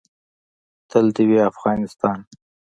تل دې وي افغانستان.